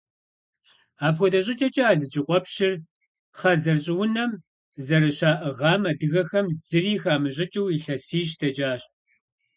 Апхуэдэ щӏыкӏэкӏэ, Алыджыкъуэпщыр хъэзэр щӏыунэм зэрыщаӏыгъым адыгэхэм зыри хамыщӏыкӏыу илъэсищ дэкӏащ.